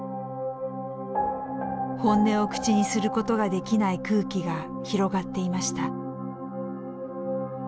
本音を口にすることができない空気が広がっていました。